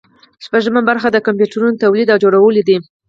شپږمه برخه د کمپیوټرونو تولید او جوړول دي.